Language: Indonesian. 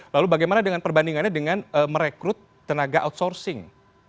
lalu bagaimana dengan perbandingannya dengan merekrut tenaga outsourcing